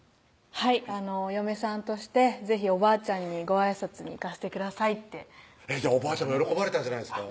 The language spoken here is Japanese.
「はいお嫁さんとして是非おばあちゃんにごあいさつに行かせてください」とおばあちゃんも喜ばれたんじゃないですか？